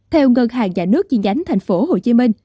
theo ngân hàng và nước chiên giánh thành phố hồ chí minh